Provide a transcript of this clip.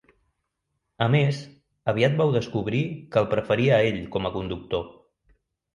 A més, aviat vau descobrir que el preferia a ell com a conductor.